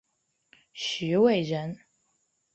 徐渭人。